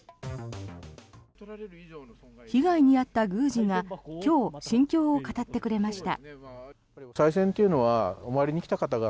被害に遭った宮司が今日、心境を語ってくれました。